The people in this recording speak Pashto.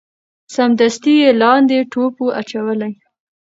سمدستي یې لاندي ټوپ وو اچولی